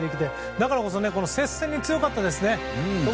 だからこそ接戦に強いですね。